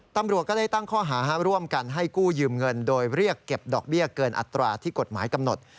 ตำรวจก็เลยตั้งข้อหาร่วมกันให้กู้ยืมเงินโดยเรียกเก็บดอกเบี้ยเกินอัตราที่กฎหมายกำหนด